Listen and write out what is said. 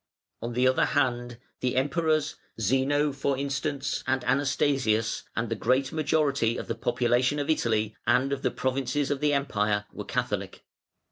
On the other hand, the Emperors, Zeno, for instance, and Anastasius, and the great majority of the population of Italy and of the provinces of the Empire, were Catholic.